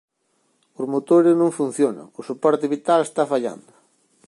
Os motores non funcionan, o soporte vital está fallando.